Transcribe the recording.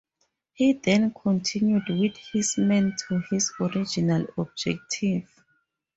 He then continued with his men to his original objective.